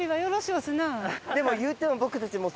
でもいうても僕たちもう。